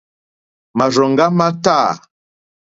Màrzòŋɡá má tâ.